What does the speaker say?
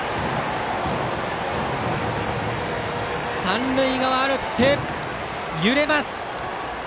三塁側アルプス揺れます。